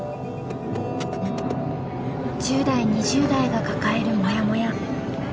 １０代２０代が抱えるモヤモヤ。